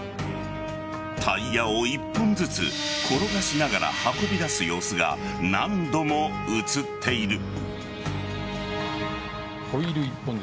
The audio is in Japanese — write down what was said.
タイヤを一本ずつ転がしながら運び出す様子が何度も映っている。